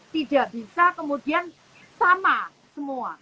tidak bisa kemudian sama semua